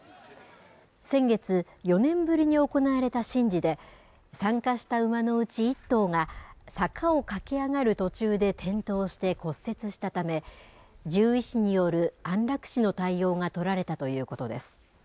先月、４年ぶりに行われた神事で、参加した馬のうち１頭が、坂を駆け上がる途中で転倒して骨折したため、獣医師による安楽死の対応が取られたということです。